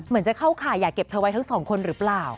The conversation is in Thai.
จะเข้าข่ายอย่าเก็บเธอไว้ทั้งสองคนหรือเปล่า